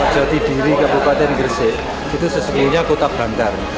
jati diri kabupaten gersik itu sesungguhnya kota bandar